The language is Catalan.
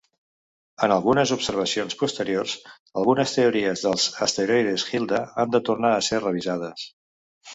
En algunes observacions posteriors algunes teories dels asteroides Hilda han de tornar a ser revisades.